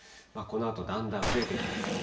このあとだんだん増えてきます。